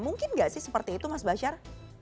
mungkin nggak sih seperti itu mas basyar